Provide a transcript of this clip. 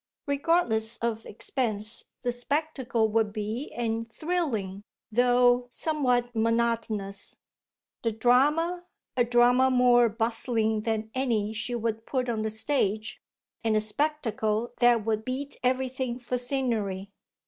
Regardless of expense the spectacle would be and thrilling, though somewhat monotonous, the drama a drama more bustling than any she would put on the stage and a spectacle that would beat everything for scenery.